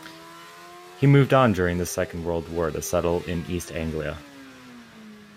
He moved on during the Second World War to settle in East Anglia.